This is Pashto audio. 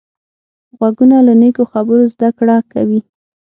غوږونه له نیکو خبرو زده کړه کوي